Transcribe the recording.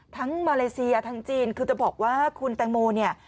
มาเลเซียทั้งจีนคือจะบอกว่าคุณแตงโมเนี่ย